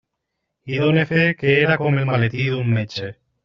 I done fe que era com el maletí d'un metge.